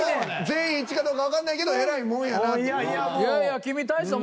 全員一致かどうかわかんないけどえらいもんやなぁと。